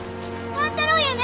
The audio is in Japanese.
万太郎やね？